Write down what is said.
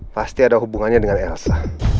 pasti ada hubungannya dengan elsa